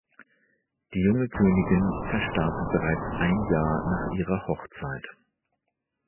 Die junge Königin verstarb bereits ein Jahr nach ihrer Hochzeit.